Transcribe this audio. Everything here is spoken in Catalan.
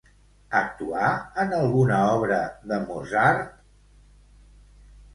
Actuà en alguna obra de Mozart?